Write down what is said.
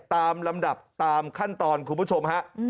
ตามลำดับตามขั้นตอนคุณผู้ชมฮะ